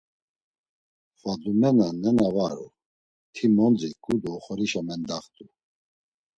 Fadumena nena va u, ti mondriǩu do oxorişa kamaxt̆u.